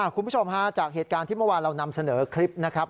คุณผู้ชมฮะจากเหตุการณ์ที่เมื่อวานเรานำเสนอคลิปนะครับ